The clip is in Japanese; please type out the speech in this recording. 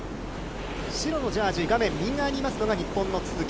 白のジャージ、画面右側にいますのが、日本の都築。